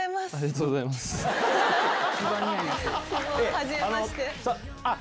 はじめまして。